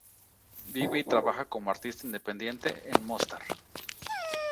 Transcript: Vive y trabaja como artista independiente en Mostar.